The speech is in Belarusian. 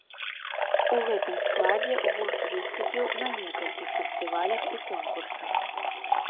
У гэтым складзе гурт выступіў на некалькіх фестывалях і конкурсах.